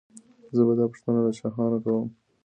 زه به دا پوښتنه له شاهانو کوم.